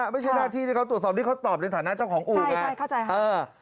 ไม่ใช่หน้าที่ที่เขาตรวจสอบที่เขาตอบในฐานะเจ้าของอู่ใช่เข้าใจค่ะเออ